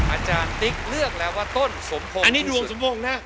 อาจารย์ติ๊กเลือกแล้วว่าต้นสมพงศ์อันนี้ดวงสมพงษ์นะ